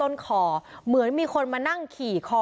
วิทยาลัยศาสตรี